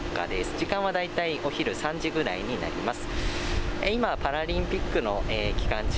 時間は大体お昼３時ぐらいになります。